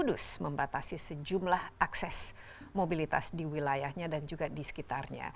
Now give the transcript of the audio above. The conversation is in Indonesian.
kudus membatasi sejumlah akses mobilitas di wilayahnya dan juga di sekitarnya